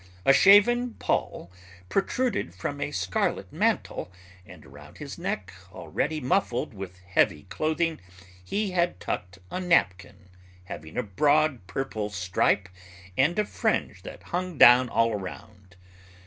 A shaven poll protruded from a scarlet mantle, and around his neck, already muffled with heavy clothing, he had tucked a napkin having a broad purple stripe and a fringe that hung down all around.